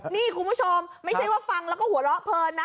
นี่คุณผู้ชมไม่ใช่ว่าฟังแล้วก็หัวเราะเพลินนะ